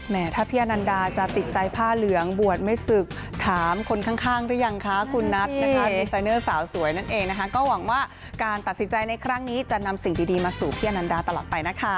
ถ้าพี่อนันดาจะติดใจผ้าเหลืองบวชไม่ศึกถามคนข้างหรือยังคะคุณนัทนะคะดีไซเนอร์สาวสวยนั่นเองนะคะก็หวังว่าการตัดสินใจในครั้งนี้จะนำสิ่งดีมาสู่พี่อนันดาตลอดไปนะคะ